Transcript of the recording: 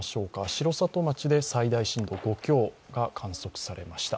城里町で最大震度は５強が観測されました。